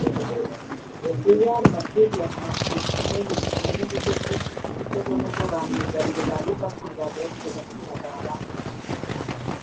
Real Madrid yasatiriye bikomeye ibona n’uburyo bwinshi bw’igitego nubwo ba myugariro ba Liverpool bageragezaga kwihagararaho